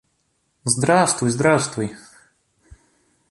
Здравствуй, здравствуй.